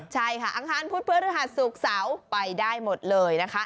ใช่ค่ะอาหารพุทธพฤหัสสุขเสาไปได้หมดเลยนะคะ